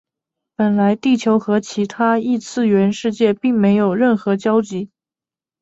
本来地球和其他异次元世界并没有任何交集。